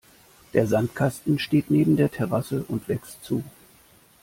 Der Sandkasten steht neben der Terrasse und wächst zu.